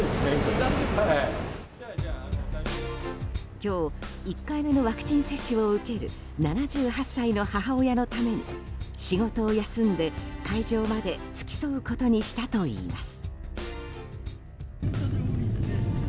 今日１回目のワクチン接種を受ける７８歳の母親のために仕事を休んで会場まで付き添うことにしたといいます。